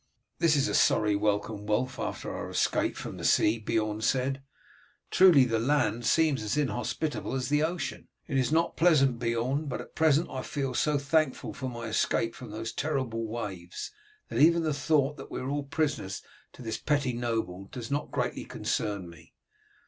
"This is a sorry welcome, Wulf, after our escape from the sea," Beorn said. "Truly the land seems as inhospitable as the ocean." "It is not pleasant, Beorn, but at present I feel so thankful for my escape from those terrible waves that even the thought that we are all prisoners to this petty noble does not greatly concern me.